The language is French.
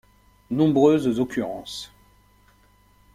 Nombreuses occurrences.